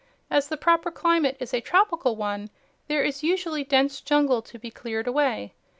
As the proper climate is a tropical one, there is usually dense jungle to be cleared away.